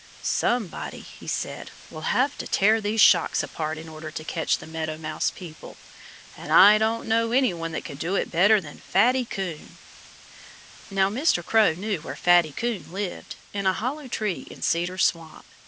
"Somebody," he said, "will have to tear these shocks apart in order to catch the Meadow Mouse people. And I don't know anyone that could do it better than Fatty Coon." Now, Mr. Crow knew where Fatty Coon lived, in a hollow tree in Cedar Swamp.